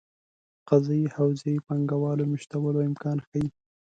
قضايي حوزې پانګه والو مېشتولو امکان ښيي.